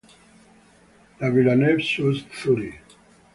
La Villeneuve-sous-Thury